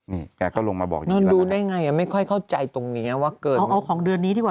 นี่แกก็ลงมาบอกอยู่นอนดูได้ไงไม่ค่อยเข้าใจตรงเนี้ยว่าเกิดเอาของเดือนนี้ดีกว่า